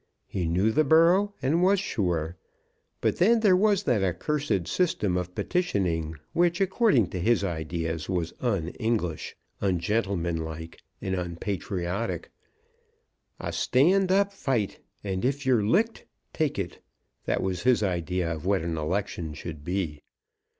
He knew the borough and was sure. But then there was that accursed system of petitioning, which according to his idea was un English, ungentlemanlike, and unpatriotic "A stand up fight, and if you're licked take it." That was his idea of what an election should be.